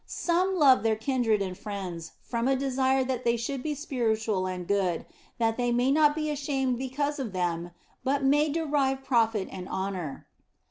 Some love their kindred and friends from a desire that they should be spiritual and good, that they may not be ashamed because of them, but may derive profit and honour.